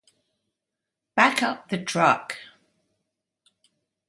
Back Up The Truck.